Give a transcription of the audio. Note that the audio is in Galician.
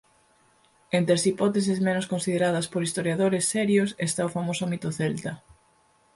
Entre as hipóteses menos consideradas por historiadores serios está o famoso mito celta.